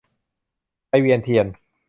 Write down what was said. ไปเวียนเทียน